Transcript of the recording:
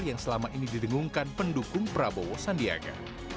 yang selama ini didengungkan pendukung prabowo sandiaga